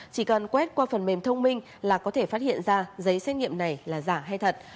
chỉ cần quét qua phần mềm thông minh là có thể phát hiện ra giấy xét nghiệm này là giả hay thật